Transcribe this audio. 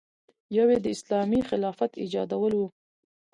یو یې د اسلامي خلافت ایجادول و.